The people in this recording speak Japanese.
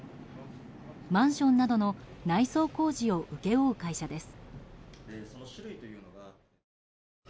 マンションなどの内装工事を請け負う会社です。